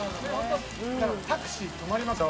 「タクシー止まりますもん。